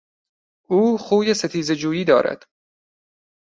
او خوی ستیزهجویی دارد.